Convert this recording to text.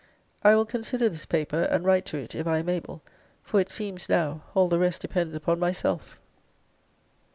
I will consider this paper; and write to it, if I am able: for it seems now, all the rest depends upon myself.